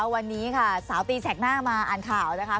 วันนี้ค่ะสาวตีแสกหน้ามาอ่านข่าวนะคะ